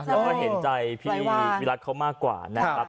เราก็เห็นใจพี่วิรัสเขาก็มากกว่า